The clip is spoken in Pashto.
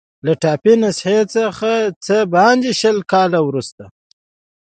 له ټایپي نسخې څخه څه باندې شل کاله وروسته.